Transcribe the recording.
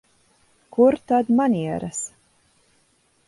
Kur tad manieres?